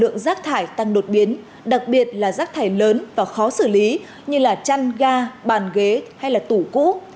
lượng rác thải tăng đột biến đặc biệt là rác thải lớn và khó xử lý như là chăn ga bàn ghế hay là tủ cũ